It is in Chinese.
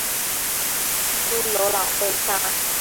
朱由榔被杀。